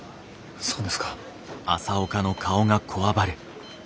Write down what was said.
そうですか。